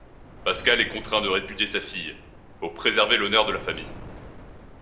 Pascal est contraint de répudier sa fille pour préserver l'honneur de la famille.